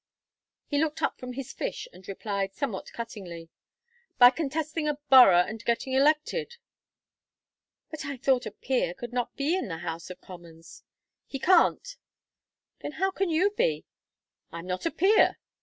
He looked up from his fish and replied, somewhat cuttingly, "By contesting a borough and getting elected." "But I thought a peer could not be in the House of Commons." "He can't." "Then how can you be?" "I am not a peer."